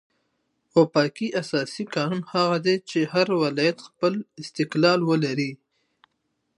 وفاقي اساسي قانون هغه دئ، چي هر ولایت خپل استقلال ولري.